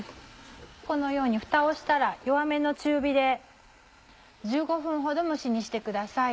このようにフタをしたら弱めの中火で１５分ほど蒸し煮してください。